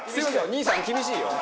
兄さん厳しいよ。